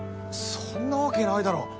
そんなわけないだろ！